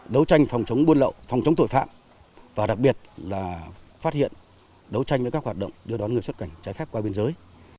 đấu tranh phòng chống buôn lậu phòng chống tội phạm và đặc biệt là phát hiện đấu tranh với các hoạt động đưa đón người xuất cảnh trái phép qua biên giới